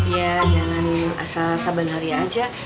ya jangan asal saban haria aja